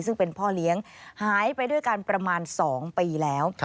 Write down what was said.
ซึ่งเป็นพ่อเลี้ยงหายไปด้วยกันประมาณ๒ปีแล้ว